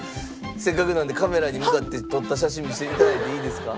せっかくなんでカメラに向かって撮った写真見せて頂いていいですか？